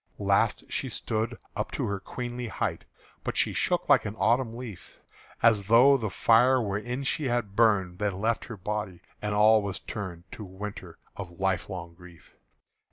Last she stood up to her queenly height, But she shook like an autumn leaf, As though the fire wherein she burned Then left her body, and all were turned To winter of life long grief.